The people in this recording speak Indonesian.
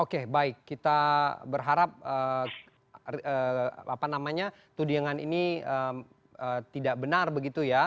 oke baik kita berharap tudingan ini tidak benar begitu ya